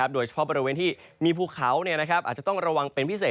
โดยเฉพาะบริเวณที่มีภูเขาอาจจะต้องระวังเป็นพิเศษ